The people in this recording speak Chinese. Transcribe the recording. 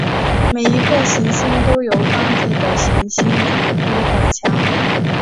每一个行星都由当地的行星总督管辖。